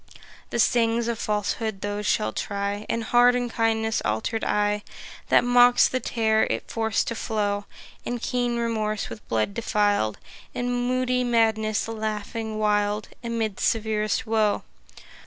The stings of Falsehood those shall try, And hard Unkindness' alter'd eye, That mocks the tear if forc'd to flow; And keen Remorse with blood defil'd, And moody Madness laughing wild Amid severest woe.